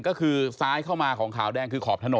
ก็คือซ้ายเข้ามาของขาวแดงคือขอบถนน